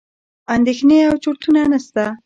اندېښنې او چورتونه نسته.